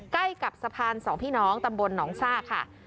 ใกล้กับสะพานสองพี่น้องตำบลหนองซ่าค่ะ